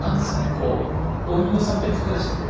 こうお人形さんみたいにぷっくらしてて。